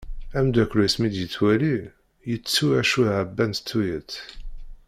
Ameddakel-is mi d-yettwali, yettu acu ɛebbant tuyat.